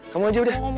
kamu aja udah